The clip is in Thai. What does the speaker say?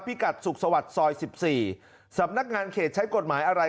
พิกัดสุขสวัสดิ์ซอย๑๔สำนักงานเขตใช้กฎหมายอะไร